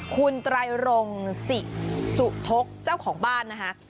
คุณไตรรงศิสุทกเจ้าของบ้านนะคะ